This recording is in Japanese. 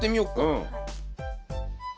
うん。